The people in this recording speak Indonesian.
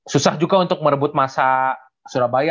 susah juga untuk merebut masa surabaya